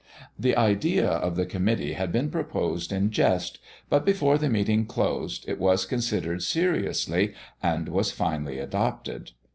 The idea of the committee had been proposed in jest, but before the meeting closed it was considered seriously, and was finally adopted.